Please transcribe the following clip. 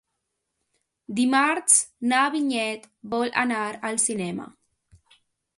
Dimarts na Vinyet vol anar al cinema.